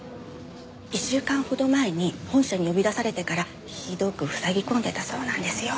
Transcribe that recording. １週間ほど前に本社に呼び出されてからひどく塞ぎ込んでたそうなんですよ。